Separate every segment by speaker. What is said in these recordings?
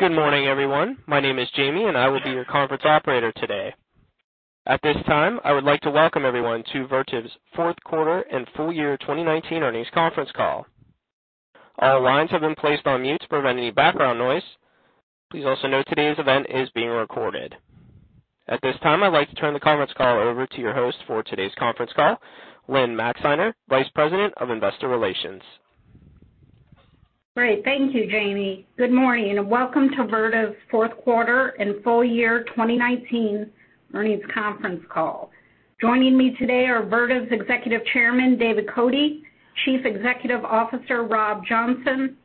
Speaker 1: Good morning, everyone. My name is Jamie, and I will be your conference operator today. At this time, I would like to welcome everyone to Vertiv's fourth quarter and full year 2019 earnings conference call. All lines have been placed on mute to prevent any background noise. Please also note today's event is being recorded. At this time, I'd like to turn the conference call over to your host for today's conference call, Lynne Maxeiner, Vice President of Investor Relations.
Speaker 2: Great. Thank you, Jamie. Good morning, and welcome to Vertiv's fourth quarter and full year 2019 earnings conference call. Joining me today are Vertiv's Executive Chairman, David Cote, Chief Executive Officer, Rob Johnson,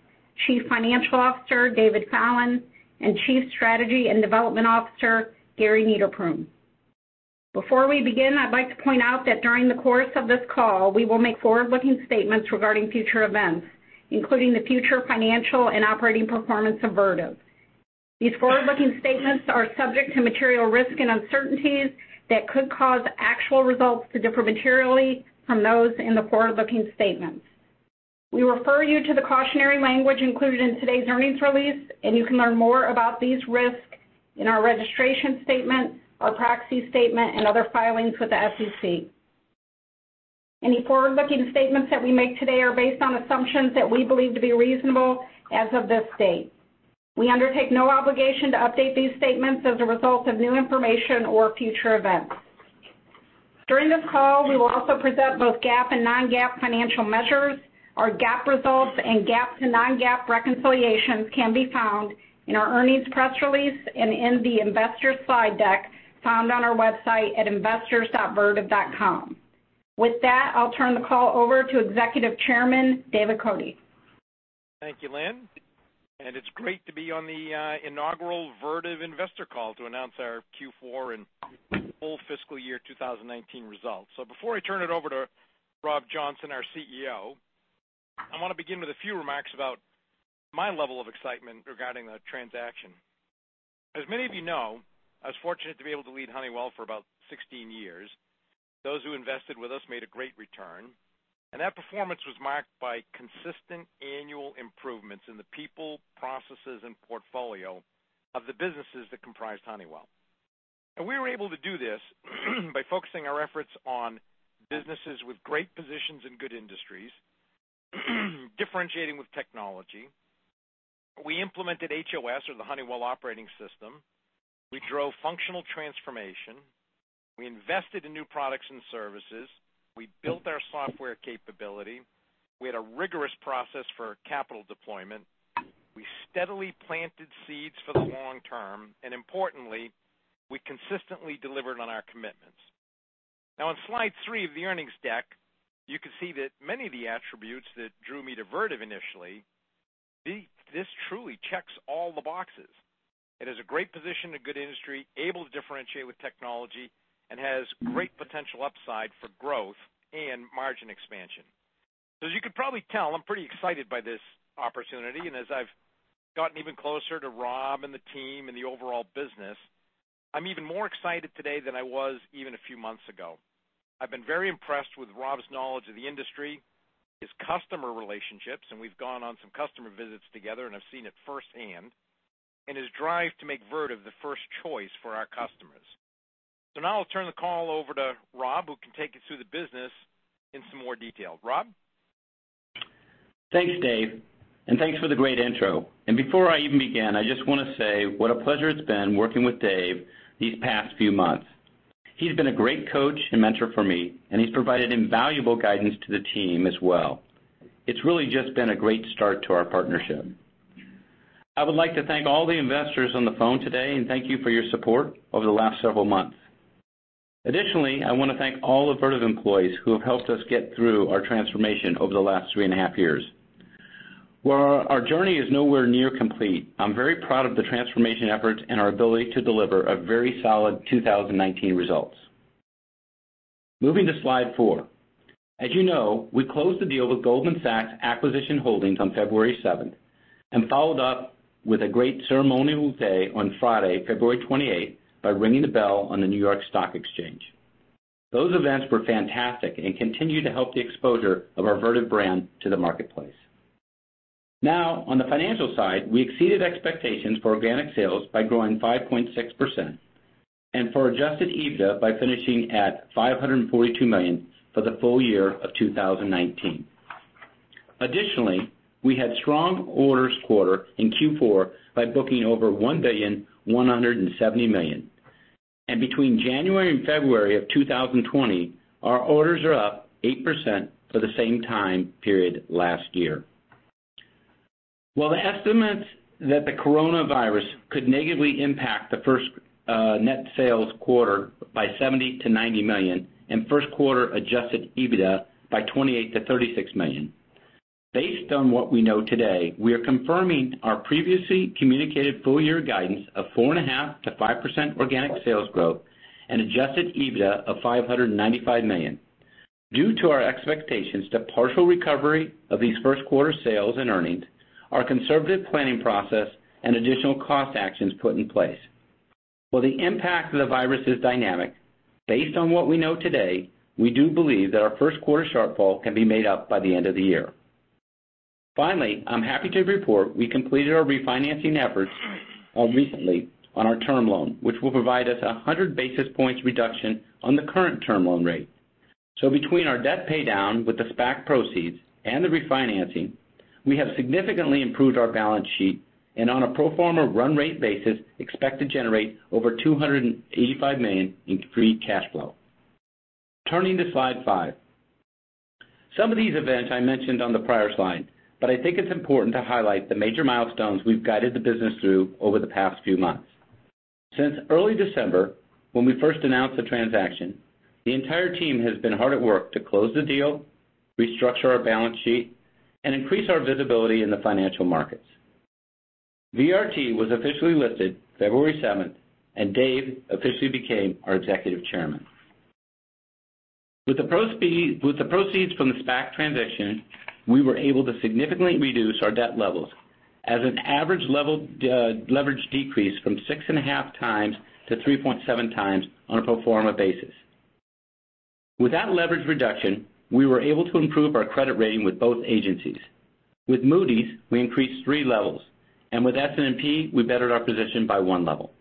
Speaker 2: Chief Financial Officer, David Fallon, and Chief Strategy and Development Officer, Gary Niederpruem. Before we begin, I'd like to point out that during the course of this call, we will make forward-looking statements regarding future events, including the future financial and operating performance of Vertiv. These forward-looking statements are subject to material risks and uncertainties that could cause actual results to differ materially from those in the forward-looking statements. We refer you to the cautionary language included in today's earnings release, and you can learn more about these risks in our registration statement, our proxy statement, and other filings with the SEC. Any forward-looking statements that we make today are based on assumptions that we believe to be reasonable as of this date. We undertake no obligation to update these statements as a result of new information or future events. During this call, we will also present both GAAP and non-GAAP financial measures. Our GAAP results and GAAP to non-GAAP reconciliations can be found in our earnings press release and in the investor slide deck found on our website at investors.vertiv.com. With that, I'll turn the call over to Executive Chairman, David Cote.
Speaker 3: Thank you, Lynne, it's great to be on the inaugural Vertiv investor call to announce our Q4 and full fiscal year 2019 results. Before I turn it over to Rob Johnson, our CEO, I want to begin with a few remarks about my level of excitement regarding the transaction. As many of you know, I was fortunate to be able to lead Honeywell for about 16 years. Those who invested with us made a great return, that performance was marked by consistent annual improvements in the people, processes, and portfolio of the businesses that comprised Honeywell. We were able to do this by focusing our efforts on businesses with great positions in good industries, differentiating with technology. We implemented HOS, or the Honeywell Operating System. We drove functional transformation. We invested in new products and services. We built our software capability. We had a rigorous process for capital deployment. We steadily planted seeds for the long term, and importantly, we consistently delivered on our commitments. Now, on slide three of the earnings deck, you can see that many of the attributes that drew me to Vertiv initially, this truly checks all the boxes. It has a great position in a good industry, able to differentiate with technology, and has great potential upside for growth and margin expansion. As you could probably tell, I'm pretty excited by this opportunity, and as I've gotten even closer to Rob and the team and the overall business, I'm even more excited today than I was even a few months ago. I've been very impressed with Rob's knowledge of the industry, his customer relationships, and we've gone on some customer visits together, and I've seen it firsthand, and his drive to make Vertiv the first choice for our customers. Now I'll turn the call over to Rob, who can take you through the business in some more detail. Rob?
Speaker 4: Thanks, Dave, and thanks for the great intro. Before I even begin, I just want to say what a pleasure it's been working with Dave these past few months. He's been a great coach and mentor for me, and he's provided invaluable guidance to the team as well. It's really just been a great start to our partnership. I would like to thank all the investors on the phone today, and thank you for your support over the last several months. Additionally, I want to thank all of Vertiv employees who have helped us get through our transformation over the last 3.5 years. While our journey is nowhere near complete, I'm very proud of the transformation efforts and our ability to deliver a very solid 2019 results. Moving to slide four. As you know, we closed the deal with Goldman Sachs Acquisition Holdings on February seventh, and followed up with a great ceremonial day on Friday, February 28th, by ringing the bell on the New York Stock Exchange. Those events were fantastic and continue to help the exposure of our Vertiv brand to the marketplace. Now, on the financial side, we exceeded expectations for organic sales by growing 5.6%, and for adjusted EBITDA by finishing at $542 million for the full year of 2019. Additionally, we had strong orders quarter in Q4 by booking over $1.170 billion. Between January and February of 2020, our orders are up 8% for the same time period last year. While the estimates that the coronavirus could negatively impact the first net sales quarter by $70 million-$90 million and first quarter adjusted EBITDA by $28 million-$36 million. Based on what we know today, we are confirming our previously communicated full year guidance of 4.5%- 5% organic sales growth and adjusted EBITDA of $595 million, due to our expectations to partial recovery of these first quarter sales and earnings, our conservative planning process, and additional cost actions put in place. Well, the impact of the virus is dynamic. Based on what we know today, we do believe that our first quarter shortfall can be made up by the end of the year. Finally, I'm happy to report we completed our refinancing efforts recently on our term loan, which will provide us 100 basis points reduction on the current term loan rate. Between our debt paydown with the SPAC proceeds and the refinancing, we have significantly improved our balance sheet, and on a pro forma run rate basis, expect to generate over $285 million in free cash flow. Turning to slide five. Some of these events I mentioned on the prior slide, but I think it's important to highlight the major milestones we've guided the business through over the past few months. Since early December, when we first announced the transaction, the entire team has been hard at work to close the deal, restructure our balance sheet, and increase our visibility in the financial markets. Vertiv was officially listed February 7th, and Dave officially became our Executive Chairman. With the proceeds from the SPAC transaction, we were able to significantly reduce our debt levels. As an average leverage decrease from 6.5x to 3.7x on a pro forma basis. With that leverage reduction, we were able to improve our credit rating with both agencies. With Moody's, we increased three levels, and with S&P, we bettered our position by one level.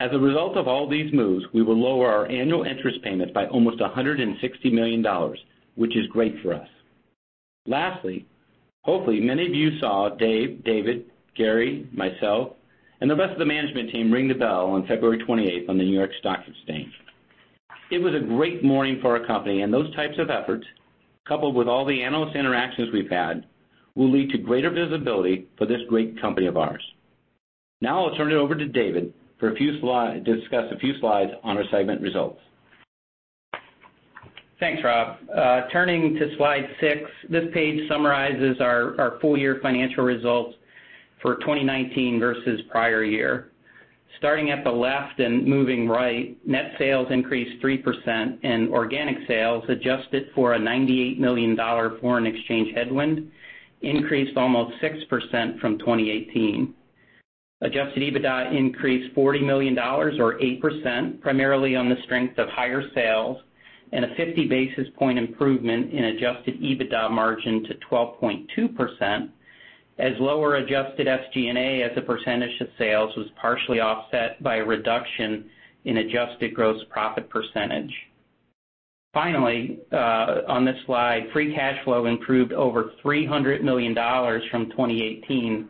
Speaker 4: As a result of all these moves, we will lower our annual interest payment by almost $160 million, which is great for us. Lastly, hopefully many of you saw Dave, David, Gary, myself, and the rest of the management team ring the bell on February 28th on the New York Stock Exchange. It was a great morning for our company, and those types of efforts, coupled with all the analyst interactions we've had, will lead to greater visibility for this great company of ours. Now, I'll turn it over to David to discuss a few slides on our segment results.
Speaker 5: Thanks, Rob. Turning to slide six, this page summarizes our full year financial results for 2019 versus prior year. Starting at the left and moving right, net sales increased 3%. Organic sales adjusted for a $98 million foreign exchange headwind increased almost 6% from 2018. Adjusted EBITDA increased $40 million or 8%, primarily on the strength of higher sales and a 50 basis point improvement in adjusted EBITDA margin to 12.2%, as lower adjusted SG&A as a percentage of sales was partially offset by a reduction in adjusted gross profit percentage. Finally, on this slide, free cash flow improved over $300 million from 2018,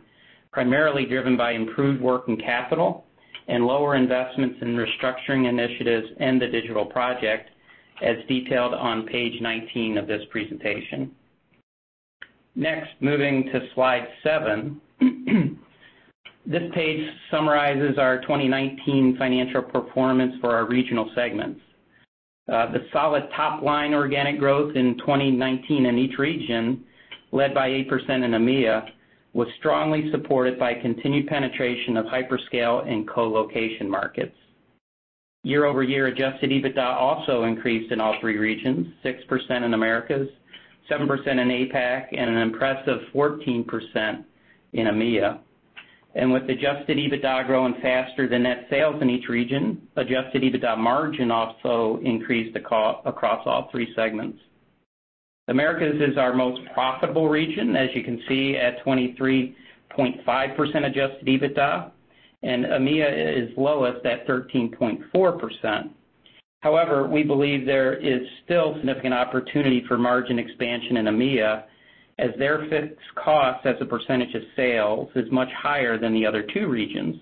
Speaker 5: primarily driven by improved working capital and lower investments in restructuring initiatives and the digital project as detailed on page 19 of this presentation. Next, moving to slide seven. This page summarizes our 2019 financial performance for our regional segments. The solid top-line organic growth in 2019 in each region, led by 8% in EMEA, was strongly supported by continued penetration of hyperscale and colocation markets. Year-over-year, adjusted EBITDA also increased in all three regions, 6% in Americas, 7% in APAC, and an impressive 14% in EMEA. With adjusted EBITDA growing faster than net sales in each region, adjusted EBITDA margin also increased across all three segments. Americas is our most profitable region, as you can see, at 23.5% adjusted EBITDA, and EMEA is lowest at 13.4%. However, we believe there is still significant opportunity for margin expansion in EMEA as their fixed cost as a percentage of sales is much higher than the other two regions.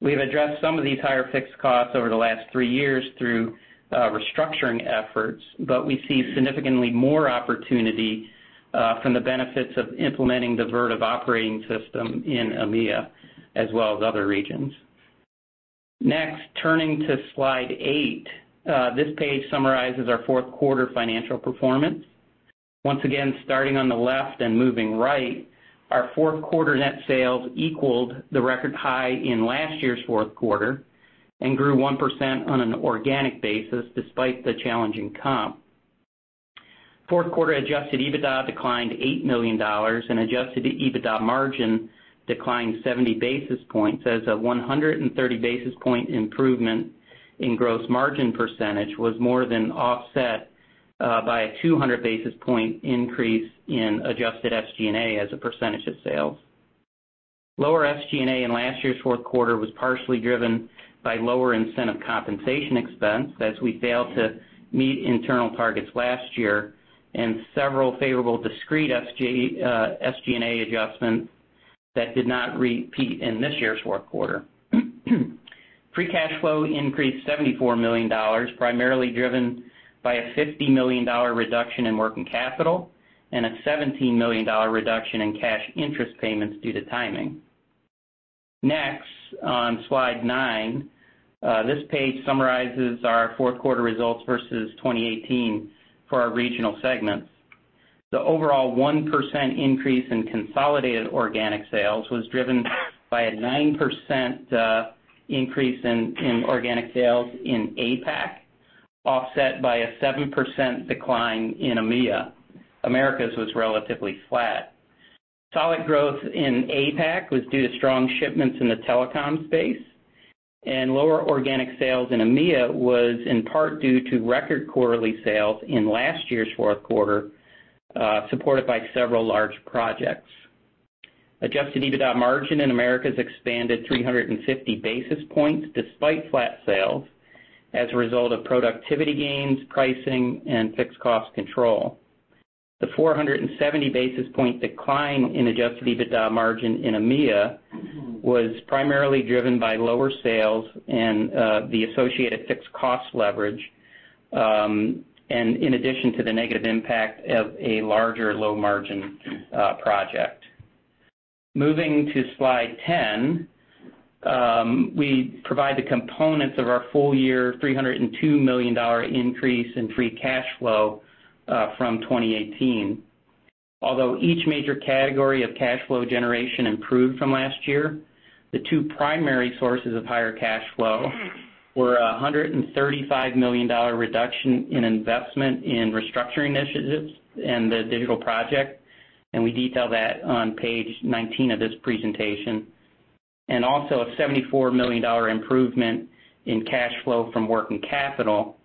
Speaker 5: We've addressed some of these higher fixed costs over the last three years through restructuring efforts, but we see significantly more opportunity from the benefits of implementing the Vertiv Operating System in EMEA as well as other regions. Next, turning to slide eight. This page summarizes our fourth quarter financial performance. Once again, starting on the left and moving right, our fourth quarter net sales equaled the record high in last year's fourth quarter and grew 1% on an organic basis despite the challenging comp. Fourth quarter adjusted EBITDA declined $8 million, and adjusted EBITDA margin declined 70 basis points as a 130 basis point improvement in gross margin percentage was more than offset by a 200 basis point increase in adjusted SG&A as a percentage of sales. Lower SG&A in last year's fourth quarter was partially driven by lower incentive compensation expense as we failed to meet internal targets last year and several favorable discrete SG&A adjustments that did not repeat in this year's fourth quarter. Free cash flow increased $74 million, primarily driven by a $50 million reduction in working capital and a $17 million reduction in cash interest payments due to timing. Next, on slide nine. This page summarizes our fourth quarter results versus 2018 for our regional segments. The overall 1% increase in consolidated organic sales was driven by a 9% increase in organic sales in APAC, offset by a 7% decline in EMEA. Americas was relatively flat. Solid growth in APAC was due to strong shipments in the telecom space, and lower organic sales in EMEA was in part due to record quarterly sales in last year's fourth quarter, supported by several large projects. Adjusted EBITDA margin in Americas expanded 350 basis points despite flat sales as a result of productivity gains, pricing, and fixed cost control. The 470 basis point decline in adjusted EBITDA margin in EMEA was primarily driven by lower sales and the associated fixed cost leverage, and in addition to the negative impact of a larger low-margin project. Moving to slide 10, we provide the components of our full year $302 million increase in free cash flow from 2018. Although each major category of cash flow generation improved from last year, the two primary sources of higher cash flow were a $135 million reduction in investment in restructuring initiatives and the digital project, and we detail that on page 19 of this presentation. Also a $74 million improvement in cash flow from working capital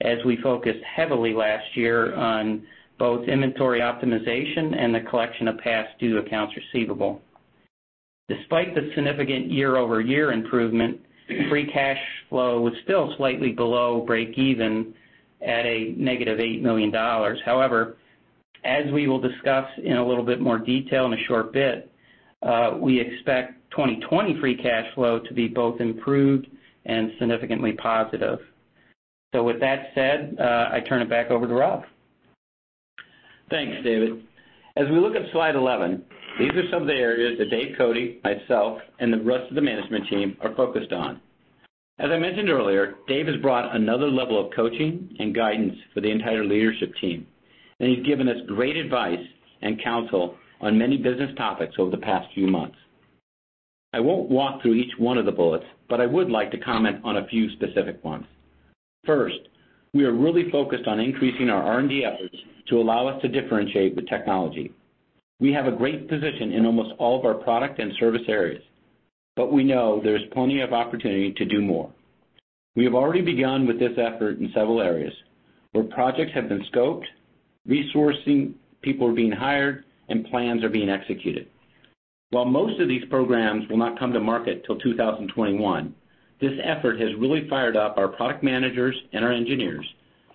Speaker 5: as we focused heavily last year on both inventory optimization and the collection of past due accounts receivable. Despite the significant year-over-year improvement, free cash flow was still slightly below break even at a -$8 million. However, as we will discuss in a little bit more detail in a short bit, we expect 2020 free cash flow to be both improved and significantly positive. With that said, I turn it back over to Rob.
Speaker 4: Thanks, David. As we look at slide 11, these are some of the areas that David Cote, myself, and the rest of the management team are focused on. As I mentioned earlier, Dave has brought another level of coaching and guidance for the entire leadership team, and he's given us great advice and counsel on many business topics over the past few months. I won't walk through each one of the bullets, but I would like to comment on a few specific ones. First, we are really focused on increasing our R&D efforts to allow us to differentiate with technology. We have a great position in almost all of our product and service areas, but we know there's plenty of opportunity to do more. We have already begun with this effort in several areas, where projects have been scoped, resourcing people are being hired, and plans are being executed. While most of these programs will not come to market till 2021, this effort has really fired up our product managers and our engineers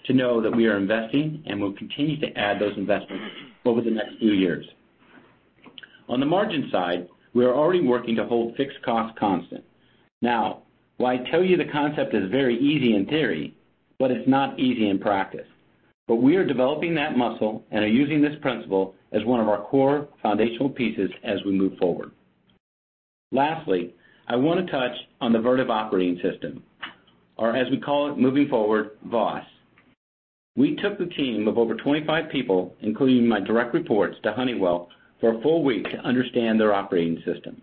Speaker 4: to know that we are investing and will continue to add those investments over the next few years. On the margin side, we are already working to hold fixed cost constant. Now, while I tell you the concept is very easy in theory, but it's not easy in practice. We are developing that muscle and are using this principle as one of our core foundational pieces as we move forward. Lastly, I want to touch on the Vertiv Operating System, or as we call it moving forward, VOS. We took the team of over 25 people, including my direct reports, to Honeywell for a full week to understand their Operating System.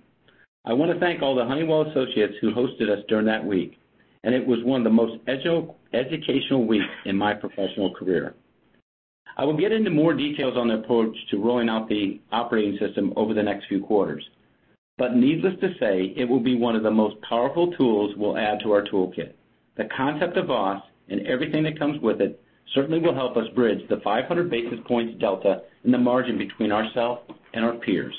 Speaker 4: I want to thank all the Honeywell associates who hosted us during that week. It was one of the most educational weeks in my professional career. I will get into more details on the approach to rolling out the operating system over the next few quarters. Needless to say, it will be one of the most powerful tools we'll add to our toolkit. The concept of VOS and everything that comes with it certainly will help us bridge the 500 basis points delta in the margin between ourselves and our peers.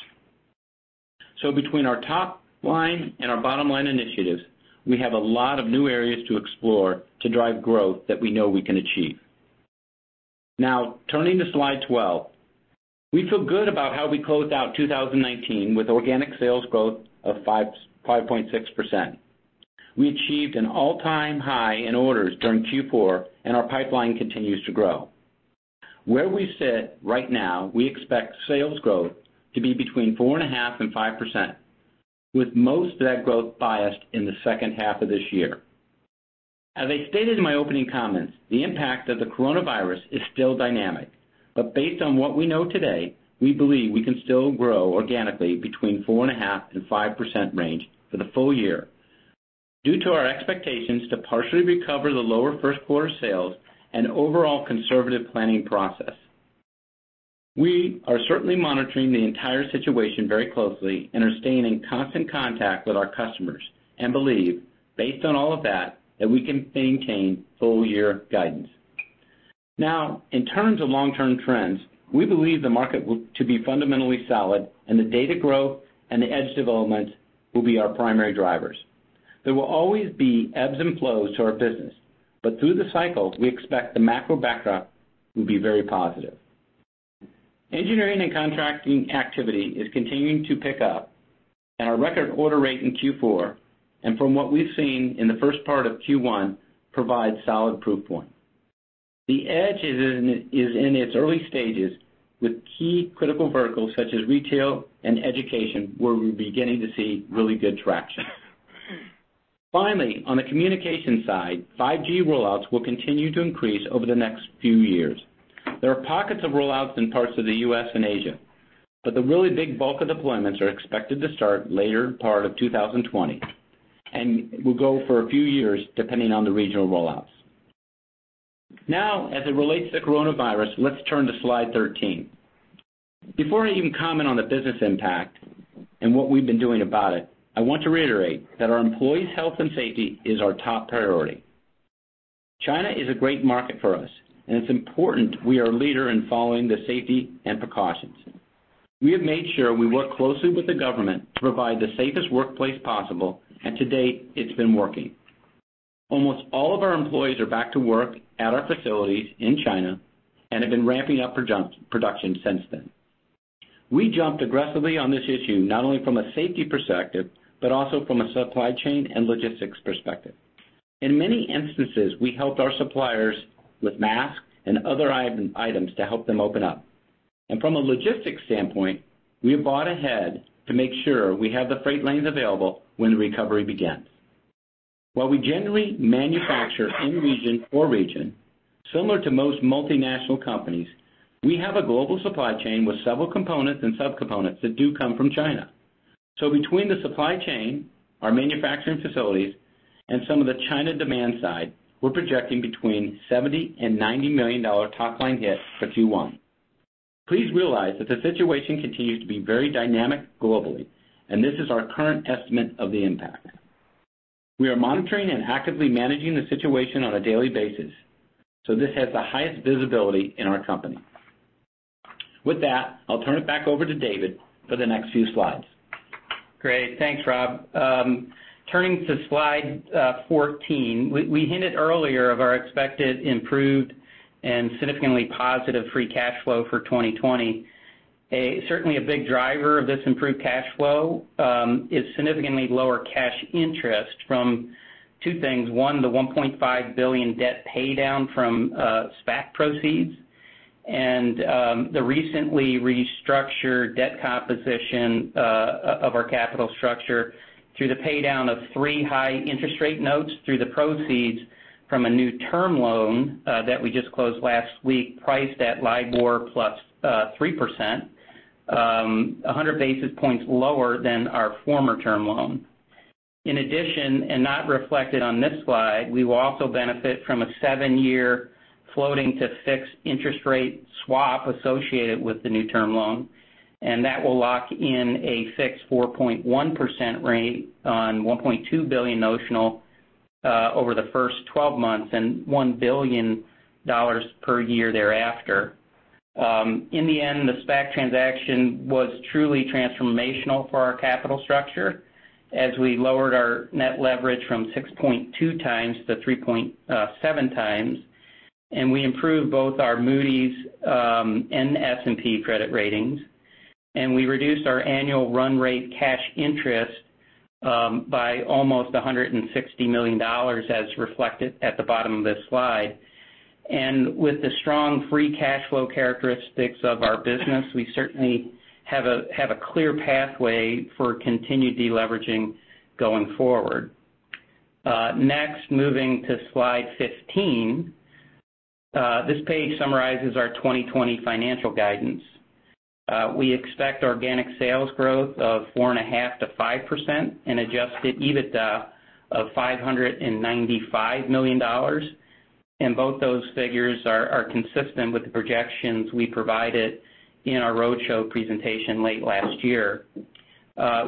Speaker 4: Between our top line and our bottom line initiatives, we have a lot of new areas to explore to drive growth that we know we can achieve. Turning to slide 12. We feel good about how we closed out 2019 with organic sales growth of 5.6%. We achieved an all-time high in orders during Q4, and our pipeline continues to grow. Where we sit right now, we expect sales growth to be between 4.5% and 5%, with most of that growth biased in the second half of this year. As I stated in my opening comments, the impact of the coronavirus is still dynamic. Based on what we know today, we believe we can still grow organically between 4.5% and 5% range for the full year due to our expectations to partially recover the lower first quarter sales and overall conservative planning process. We are certainly monitoring the entire situation very closely and are staying in constant contact with our customers and believe, based on all of that we can maintain full year guidance. In terms of long-term trends, we believe the market to be fundamentally solid and the data growth and the edge developments will be our primary drivers. There will always be ebbs and flows to our business. Through the cycles, we expect the macro backdrop will be very positive. Engineering and contracting activity is continuing to pick up, and our record order rate in Q4, and from what we've seen in the first part of Q1, provide solid proof point. The edge is in its early stages with key critical verticals such as retail and education, where we're beginning to see really good traction. On the communication side, 5G rollouts will continue to increase over the next few years. There are pockets of rollouts in parts of the U.S. and Asia, but the really big bulk of deployments are expected to start later part of 2020 and will go for a few years depending on the regional rollouts. As it relates to coronavirus, let's turn to slide 13. Before I even comment on the business impact and what we've been doing about it, I want to reiterate that our employees' health and safety is our top priority. China is a great market for us, and it's important we are a leader in following the safety and precautions. We have made sure we work closely with the government to provide the safest workplace possible, and to date, it's been working. Almost all of our employees are back to work at our facilities in China and have been ramping up production since then. We jumped aggressively on this issue, not only from a safety perspective, but also from a supply chain and logistics perspective. In many instances, we helped our suppliers with masks and other items to help them open up. From a logistics standpoint, we have bought ahead to make sure we have the freight lanes available when the recovery begins. While we generally manufacture in region or region, similar to most multinational companies, we have a global supply chain with several components and sub-components that do come from China. Between the supply chain, our manufacturing facilities, and some of the China demand side, we're projecting between $70 million and $90 million top-line hit for Q1. Please realize that the situation continues to be very dynamic globally, and this is our current estimate of the impact. We are monitoring and actively managing the situation on a daily basis, so this has the highest visibility in our company. With that, I'll turn it back over to David for the next few slides.
Speaker 5: Great. Thanks, Rob. Turning to slide 14. We hinted earlier of our expected improved and significantly positive free cash flow for 2020. Certainly a big driver of this improved cash flow is significantly lower cash interest from two things. One, the $1.5 billion debt paydown from SPAC proceeds, and the recently restructured debt composition of our capital structure through the paydown of three high interest rate notes through the proceeds from a new term loan that we just closed last week, priced at LIBOR plus 3%, 100 basis points lower than our former term loan. In addition, and not reflected on this slide, we will also benefit from a seven-year floating to fixed interest rate swap associated with the new term loan, and that will lock in a fixed 4.1% rate on $1.2 billion notional over the first 12 months and $1 billion per year thereafter. In the end, the SPAC transaction was truly transformational for our capital structure as we lowered our net leverage from 6.2x to 3.7x, and we improved both our Moody's and S&P credit ratings, and we reduced our annual run rate cash interest by almost $160 million, as reflected at the bottom of this slide. With the strong free cash flow characteristics of our business, we certainly have a clear pathway for continued de-leveraging going forward. Next, moving to slide 15. This page summarizes our 2020 financial guidance. We expect organic sales growth of 4.5%-5% and adjusted EBITDA of $595 million, and both those figures are consistent with the projections we provided in our roadshow presentation late last year.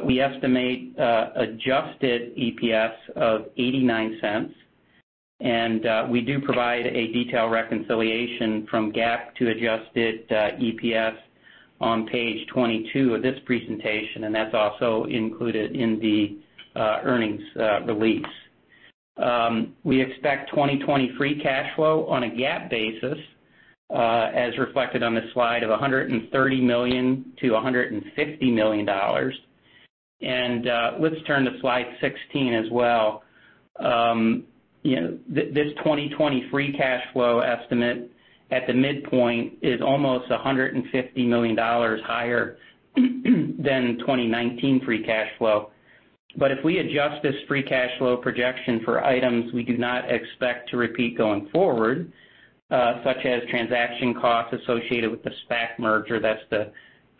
Speaker 5: We estimate adjusted EPS of $0.89, and we do provide a detailed reconciliation from GAAP to adjusted EPS on page 22 of this presentation, and that's also included in the earnings release. We expect 2020 free cash flow on a GAAP basis, as reflected on this slide, of $130 million-$150 million. Let's turn to slide 16 as well. This 2020 free cash flow estimate at the midpoint is almost $150 million higher than 2019 free cash flow. If we adjust this free cash flow projection for items we do not expect to repeat going forward, such as transaction costs associated with the SPAC merger, that's the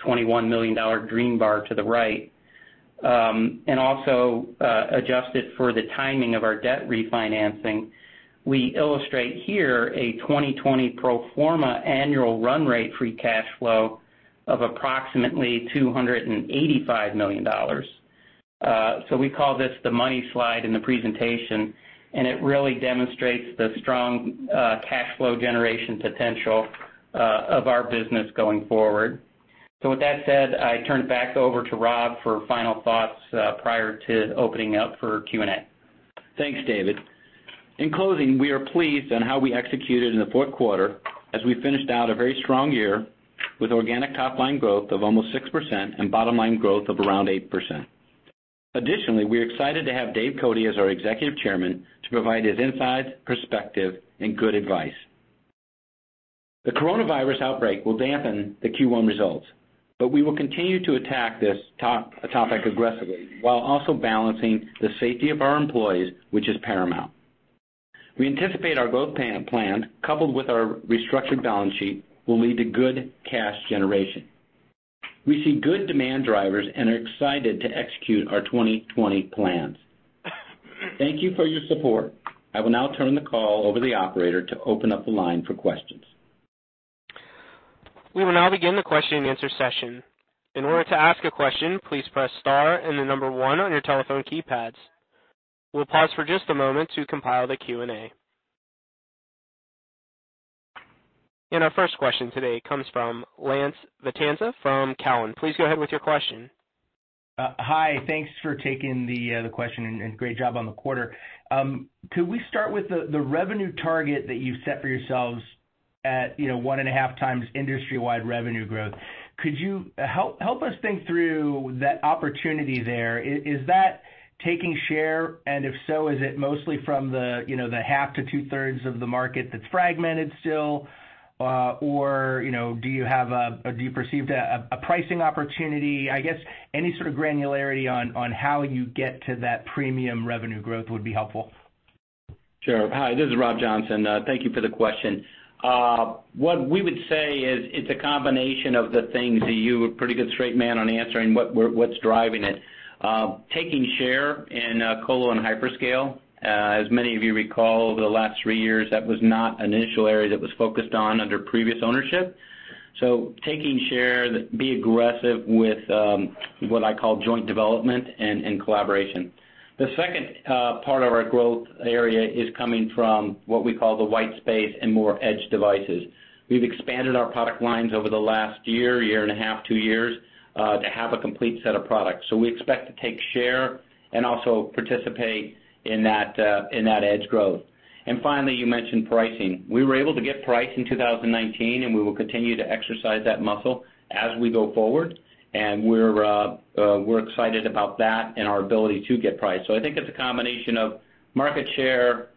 Speaker 5: $21 million green bar to the right, and also adjust it for the timing of our debt refinancing, we illustrate here a 2020 pro forma annual run rate free cash flow of approximately $285 million. We call this the money slide in the presentation, and it really demonstrates the strong cash flow generation potential of our business going forward. With that said, I turn it back over to Rob for final thoughts prior to opening up for Q&A.
Speaker 4: Thanks, David. In closing, we are pleased on how we executed in the fourth quarter as we finished out a very strong year with organic top-line growth of almost 6% and bottom-line growth of around 8%. Additionally, we are excited to have Dave Cote as our Executive Chairman to provide his insights, perspective, and good advice. The coronavirus outbreak will dampen the Q1 results, but we will continue to attack this topic aggressively while also balancing the safety of our employees, which is paramount. We anticipate our growth plan, coupled with our restructured balance sheet, will lead to good cash generation. We see good demand drivers and are excited to execute our 2020 plans. Thank you for your support. I will now turn the call over to the operator to open up the line for questions.
Speaker 1: We will now begin the question and answer session. In order to ask a question, please press star and the number one on your telephone keypads. We'll pause for just a moment to compile the Q&A. Our first question today comes from Lance Vitanza from Cowen. Please go ahead with your question.
Speaker 6: Hi. Thanks for taking the question and great job on the quarter. Could we start with the revenue target that you've set for yourselves at 1.5x industry-wide revenue growth. Could you help us think through that opportunity there? Is that taking share, and if so, is it mostly from the half to two-thirds of the market that's fragmented still? Do you perceive a pricing opportunity? I guess any sort of granularity on how you get to that premium revenue growth would be helpful.
Speaker 4: Sure. Hi, this is Rob Johnson. Thank you for the question. What we would say is it's a combination of the things that you were pretty good straight man on answering what's driving it. Taking share in colo and hyperscale. As many of you recall, over the last three years, that was not an initial area that was focused on under previous ownership. Taking share, be aggressive with what I call joint development and collaboration. The second part of our growth area is coming from what we call the white space and more edge devices. We've expanded our product lines over the last year and a half, two years, to have a complete set of products. We expect to take share and also participate in that edge growth. Finally, you mentioned pricing. We were able to get price in 2019, and we will continue to exercise that muscle as we go forward. We're excited about that and our ability to get price. I think it's a combination of market share,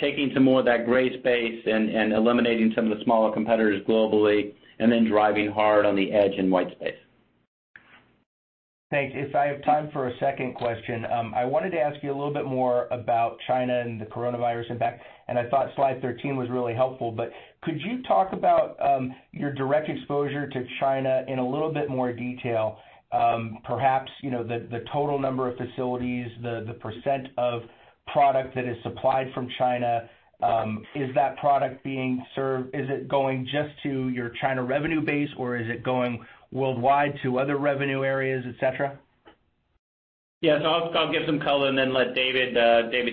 Speaker 4: taking some more of that gray space and eliminating some of the smaller competitors globally, and then driving hard on the edge and white space.
Speaker 6: Thanks. If I have time for a second question, I wanted to ask you a little bit more about China and the coronavirus impact, and I thought slide 13 was really helpful, but could you talk about your direct exposure to China in a little bit more detail? Perhaps, the total number of facilities, the percent of product that is supplied from China. Is that product being served, is it going just to your China revenue base, or is it going worldwide to other revenue areas, et cetera?
Speaker 4: Yes. I'll give some color and then let David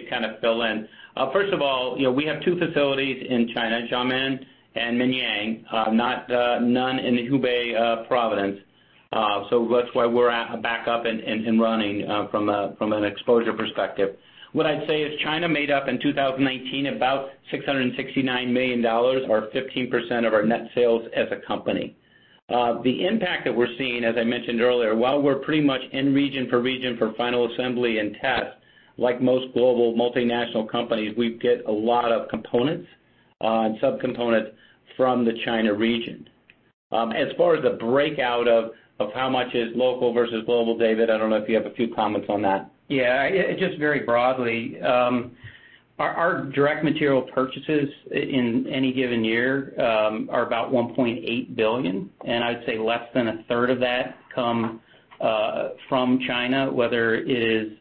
Speaker 4: kind of fill in. First of all, we have two facilities in China, Xiamen and Mianyang, none in the Hubei province. That's why we're back up and running from an exposure perspective. What I'd say is China made up in 2019 about $669 million or 15% of our net sales as a company. The impact that we're seeing, as I mentioned earlier, while we're pretty much in region per region for final assembly and test, like most global multinational companies, we get a lot of components and subcomponents from the China region. As far as the breakout of how much is local versus global, David, I don't know if you have a few comments on that.
Speaker 5: Yeah. Just very broadly. Our direct material purchases in any given year, are about $1.8 billion. I'd say less than a third of that come from China, whether it is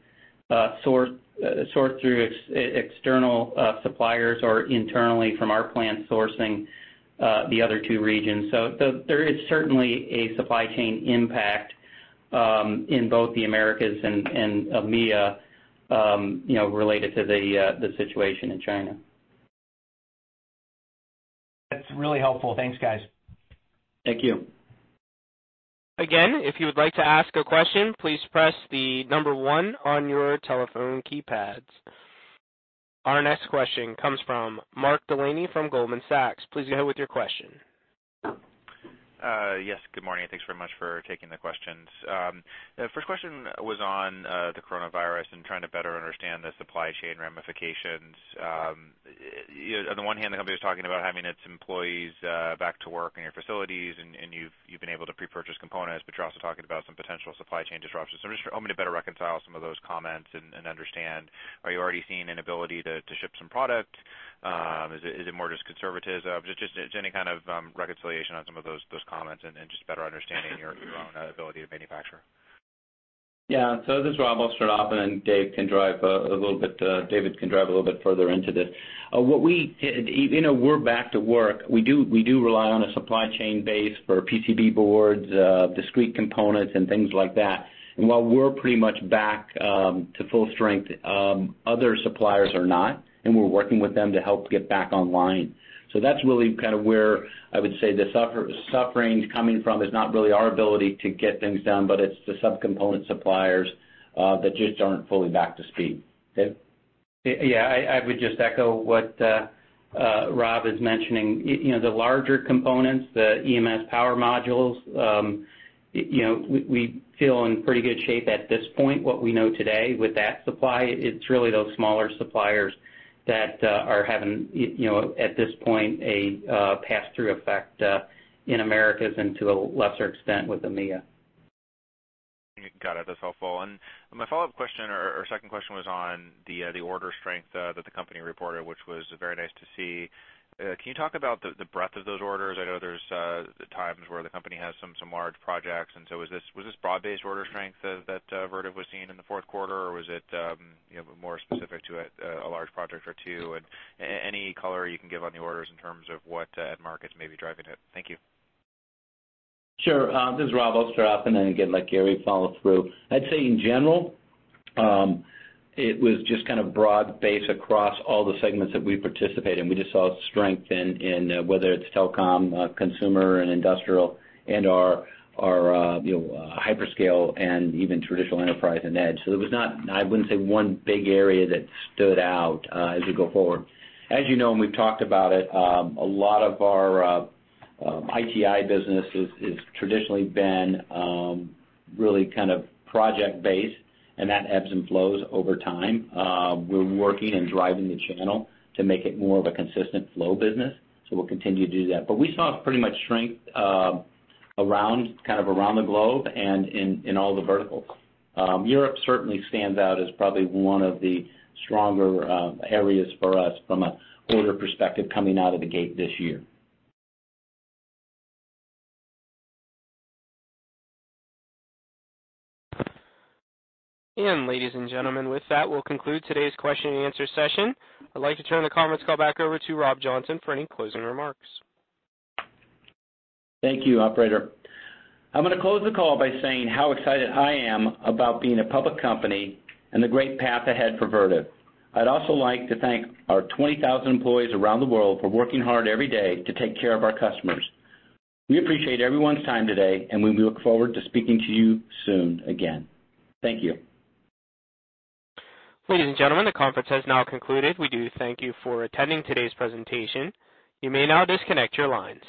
Speaker 5: sourced through external suppliers or internally from our plant sourcing the other two regions. There is certainly a supply chain impact, in both the Americas and EMEA, related to the situation in China.
Speaker 6: That's really helpful. Thanks, guys.
Speaker 4: Thank you.
Speaker 1: If you would like to ask a question, please press the number one on your telephone keypads. Our next question comes from Mark Delaney from Goldman Sachs. Please go ahead with your question.
Speaker 7: Yes, good morning, and thanks very much for taking the questions. The first question was on the coronavirus and trying to better understand the supply chain ramifications. On the one hand, the company was talking about having its employees back to work in your facilities, and you've been able to pre-purchase components, but you're also talking about some potential supply chain disruptions. I'm just hoping to better reconcile some of those comments and understand, are you already seeing an ability to ship some product? Is it more just conservatism? Just any kind of reconciliation on some of those comments and just better understanding your own ability to manufacture.
Speaker 4: Yeah. This is Rob. I'll start off, then David can drive a little bit further into this. We're back to work. We do rely on a supply chain base for PCB boards, discrete components, and things like that. While we're pretty much back to full strength, other suppliers are not, and we're working with them to help get back online. That's really kind of where I would say the suffering's coming from is not really our ability to get things done, but it's the subcomponent suppliers that just aren't fully back to speed. Dave?
Speaker 5: Yeah, I would just echo what Rob is mentioning. The larger components, the EMS power modules, we feel in pretty good shape at this point. What we know today with that supply, it's really those smaller suppliers that are having, at this point, a pass-through effect in Americas and to a lesser extent with EMEA.
Speaker 7: Got it. That's helpful. My follow-up question or second question was on the order strength that the company reported, which was very nice to see. Can you talk about the breadth of those orders? I know there's times where the company has some large projects, and so was this broad-based order strength that Vertiv was seeing in the fourth quarter? Or was it more specific to a large project or two? Any color you can give on the orders in terms of what end markets may be driving it? Thank you.
Speaker 4: Sure. This is Rob Johnson, and again, let Gary follow through. I'd say in general, it was just kind of broad-based across all the segments that we participate in. We just saw strength in whether it's telecom, consumer, and industrial, and our hyperscale and even traditional enterprise and edge. There was not, I wouldn't say, one big area that stood out as we go forward. As you know, and we've talked about it, a lot of our IT business has traditionally been really kind of project-based, and that ebbs and flows over time. We're working and driving the channel to make it more of a consistent flow business, so we'll continue to do that. We saw pretty much strength kind of around the globe and in all the verticals. Europe certainly stands out as probably one of the stronger areas for us from an order perspective coming out of the gate this year.
Speaker 1: Ladies and gentlemen, with that, we'll conclude today's question and answer session. I'd like to turn the conference call back over to Rob Johnson for any closing remarks.
Speaker 4: Thank you, operator. I'm going to close the call by saying how excited I am about being a public company and the great path ahead for Vertiv. I'd also like to thank our 20,000 employees around the world for working hard every day to take care of our customers. We appreciate everyone's time today, we look forward to speaking to you soon again. Thank you.
Speaker 1: Ladies and gentlemen, the conference has now concluded. We do thank you for attending today's presentation. You may now disconnect your lines.